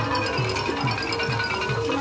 สวัสดีครับข้างหลังครับ